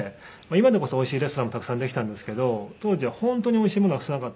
今でこそおいしいレストランもたくさんできたんですけど当時は本当においしいものが少なかったので。